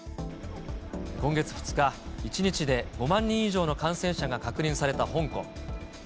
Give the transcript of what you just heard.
今月２日、１日で５万人以上の感染者が確認された香港。